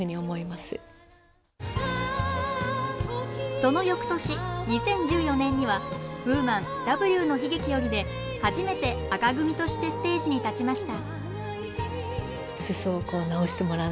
そのよくとし、２０１４年には「Ｗｏｍａｎ“Ｗの悲劇”より」で初めて紅組としてステージに立ちました